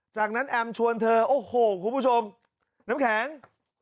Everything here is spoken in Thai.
จากนั้นแอมชวนเธอโอ้โหคุณผู้ชมน้ำแข็ง